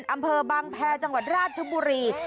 อำเภอบางแพรจังหวัดราชบุรี